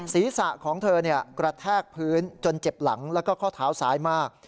ศีรษะของเธอกระแทกพื้นจนเจ็บหลังแล้วก็ข้อเท้าซ้ายมาก